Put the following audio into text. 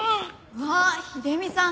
うわっ秀美さん